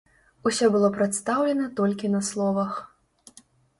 Усё было прадастаўлена толькі на словах.